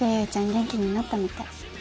元気になったみたい。